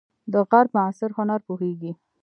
د غرب معاصر هنر پوهیږئ؟